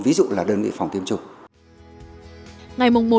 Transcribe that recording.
ví dụ là đơn vị phòng tiêm chủng